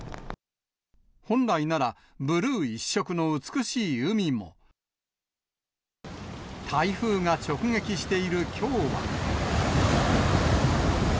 本来なら、ブルー１色の美しい海も。台風が直撃しているきょうは。